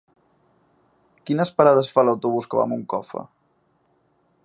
Quines parades fa l'autobús que va a Moncofa?